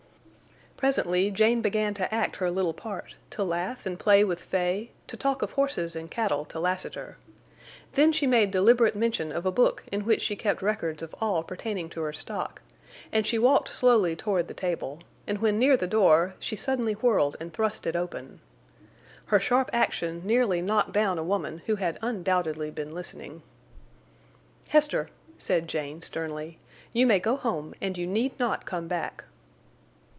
Presently Jane began to act her little part, to laugh and play with Fay, to talk of horses and cattle to Lassiter. Then she made deliberate mention of a book in which she kept records of all pertaining to her stock, and she walked slowly toward the table, and when near the door she suddenly whirled and thrust it open. Her sharp action nearly knocked down a woman who had undoubtedly been listening. "Hester," said Jane, sternly, "you may go home, and you need not come back."